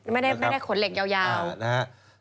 ไม่ได้ขนเหล็กยาว